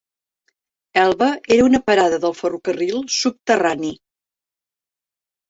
Elba era una parada del ferrocarril subterrani.